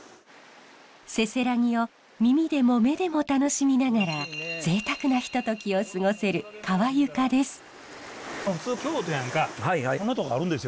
せせらぎを耳でも目でも楽しみながらぜいたくなひとときを過ごせる川床です。